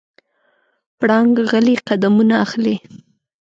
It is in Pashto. پړانګ غلی قدمونه اخلي.